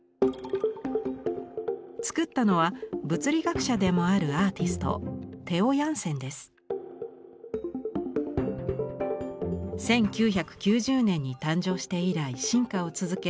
作ったのは物理学者でもある１９９０年に誕生して以来進化を続け